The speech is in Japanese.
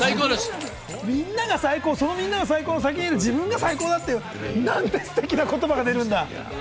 そのみんなが最高、先にいるみんなが最高っていう、なんてステキな言葉が出るんだ。